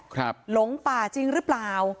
หลงป่าจริงหรือเปล่า